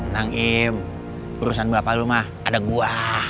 nang im urusan bapak lu mah ada gua